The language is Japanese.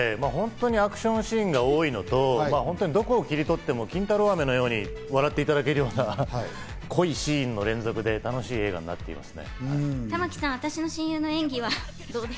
見どころが本当にアクションシーンが多いのとどこを切り取っても金太郎飴のように笑っていただけるような濃いシーンの連続で楽しい映画となっております。